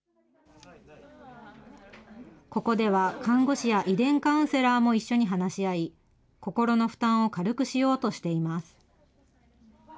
ここでは看護師や遺伝カウンセラーも一緒に話し合い、心の負担を軽くしようとしています。